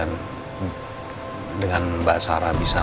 mas mbak sarah bisa ini